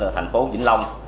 thành phố vĩnh long